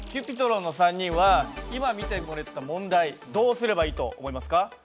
Ｃｕｐｉｔｒｏｎの３人は今見てもらった問題どうすればいいと思いますか？